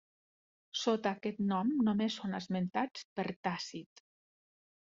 Sota aquest nom només són esmentats per Tàcit.